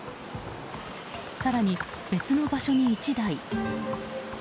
更に、別の場所に１台。